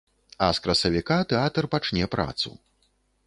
А з красавіка тэатр пачне працу.